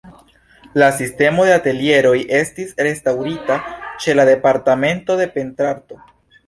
La sistemo de atelieroj estis restaŭrita ĉe la Departemento de Pentrarto.